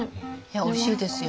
おいしいですよ。